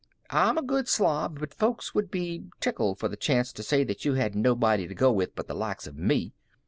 I'm a good slob, but folks would be tickled for the chance to say that you had nobody to go with but the likes av me.